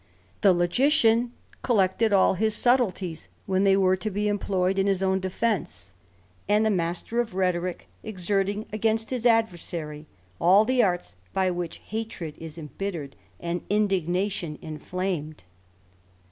The logician collected all his subtilities when they were to be employed in his own defence ; and the master of rhetorick exerted against his adversary all the arts by which hatred is embittered, and indignation inl^amed.